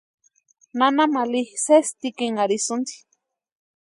Nana Mali sesi tikinarhisïnti.